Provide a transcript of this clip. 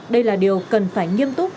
đây là điều cần phải nghiêm túc